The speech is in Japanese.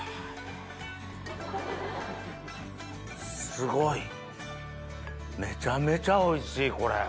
すごいめちゃめちゃおいしいこれ。